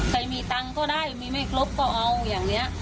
ใครมีตังค์ก็ได้มีไม่ครบก็เอาอย่างนี้